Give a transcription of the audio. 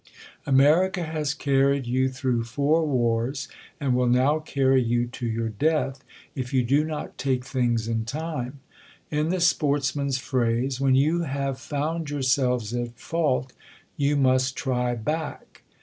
America has carried you through four wars, and will now carry you to your death, if you do not take things in time. In the sportsman's phrase, when you have found THE COLUMBIAN ORATOR. 215 jiound yourselves at fault, you must try back.